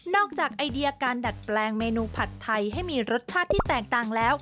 จากไอเดียการดัดแปลงเมนูผัดไทยให้มีรสชาติที่แตกต่างแล้ว